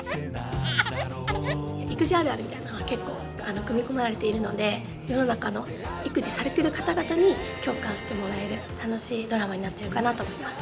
育児あるあるみたいなのが結構組み込まれているので世の中の育児されてる方々に共感してもらえる楽しいドラマになってるかなと思います。